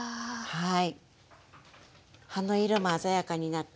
はい。